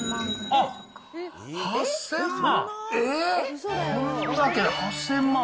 あっ、８０００万？